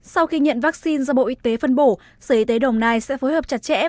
sau khi nhận vaccine do bộ y tế phân bổ sở y tế đồng nai sẽ phối hợp chặt chẽ